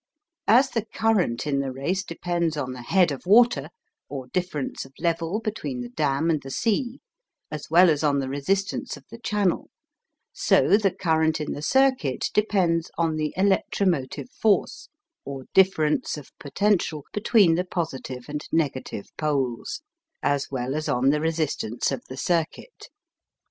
As the current in the race depends on the "head of water," or difference of level between the dam and the sea as well as on the resistance of the channel, so the current in the circuit depends on the "electromotive force," or difference of potential between the positive and negative poles, as well as on the resistance of the circuit.